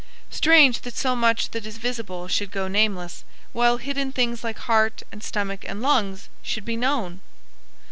Strange that so much that is visible should go nameless, while hidden things like heart and stomach and lungs should be known!